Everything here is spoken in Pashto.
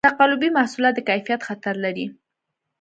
تقلبي محصولات د کیفیت خطر لري.